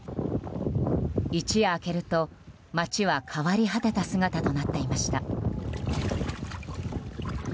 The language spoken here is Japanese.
一夜明けると街は変わり果てた姿となっていました。